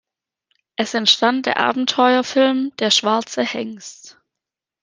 Es entstand der Abenteuerfilm "Der schwarze Hengst".